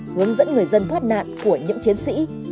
hướng dẫn người dân thoát nạn của những chiến sĩ